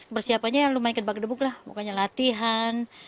persiapannya lumayan kedebak kedebuk lah pokoknya latihan